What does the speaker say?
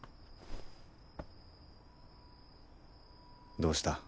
どうした？